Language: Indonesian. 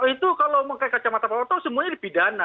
itu kalau mengenai kacamata pengoto semuanya dipidana